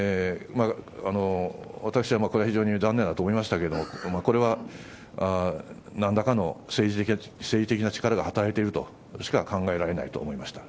私はこれは非常に残念だと思いましたけれども、これはなんらかの政治的な力が働いているとしか考えられないと思いました。